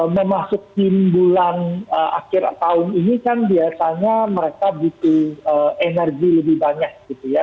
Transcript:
memasuki bulan akhir tahun ini kan biasanya mereka butuh energi lebih banyak gitu ya